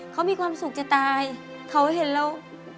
เขามีความสุขจะตายเขาเห็นเรา